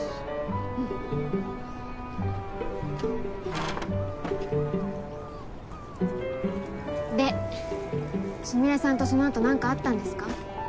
うんでスミレさんとそのあと何かあったんですか？